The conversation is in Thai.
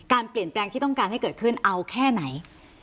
เปลี่ยนแปลงที่ต้องการให้เกิดขึ้นเอาแค่ไหน